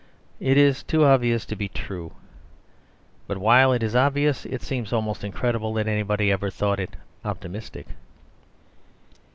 It is too obvious to be true. But while it is obvious, it seems almost incredible that anybody ever thought it optimistic.